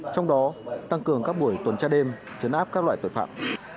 trong đó tăng cường các buổi tuần tra đêm chấn áp các loại tội phạm